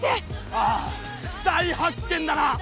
ああ大発見だな！